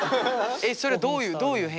それどういうどういう変化？